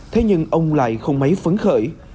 thế nhưng ông lại không mấy phấn khởi